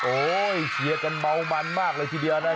โอ้โหเชียร์กันเมามันมากเลยทีเดียวนะ